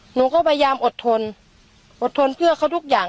หนูก็พยายามอดทนอดทนเพื่อเขาทุกอย่าง